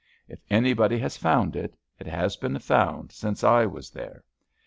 If anybody has found it, it has been found since I was there.